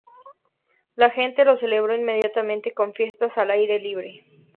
La gente lo celebró inmediatamente con fiestas al aire libre.